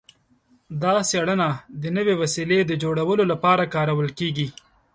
دا څیړنه د نوې وسیلې د جوړولو لپاره کارول کیږي.